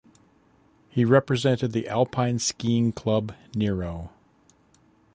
He represented the alpine skiing club Nero.